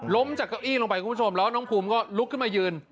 ล้มจากเก้าอี้ลงไปแล้วก็น้องภูมิก็ลุกขึ้นไปยืน